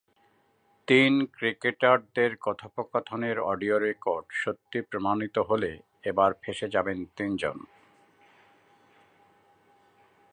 তিন ক্রিকেটারদের কথোপকথনের অডিও রেকর্ড সত্যি প্রমাণিত হলে এবার ফেঁসে যাবেন তিনজন।